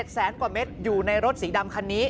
แสนกว่าเม็ดอยู่ในรถสีดำคันนี้